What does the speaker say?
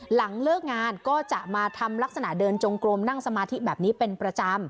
หลังเลิกงานก็จะมาทำลักษณะเดินจงกลมนั่งสมาธิแบบนี้เป็นประจำ